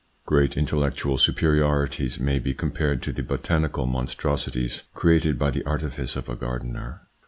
Great intellectual superiorities may be compared to the botanical monstrosities created by the artifice of a gardener.